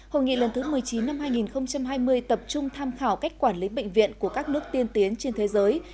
hội nghị lần thứ một mươi chín năm hai nghìn hai mươi tập trung tham khảo cách quản lý bệnh viện của các nước tiên tiến trên thế giới